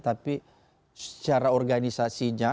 tapi secara organisasinya